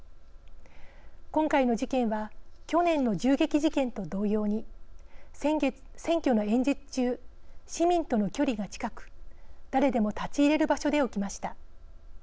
今回の事件は去年の銃撃事件と同様に選挙の演説中市民との距離が近く誰でも立ち入れる場所で起きました。